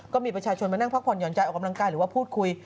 ก็มีประชาชนมานั่งพักผ่อนห่อนใจออกกำลังกายหรือว่าพูดคุย